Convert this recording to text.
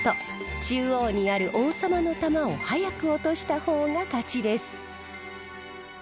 中央にある王様の玉を早く落とした方が勝ちです。